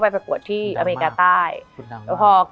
มันทำให้ชีวิตผู้มันไปไม่รอด